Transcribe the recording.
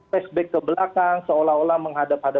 flashback ke belakang seolah olah menghadapi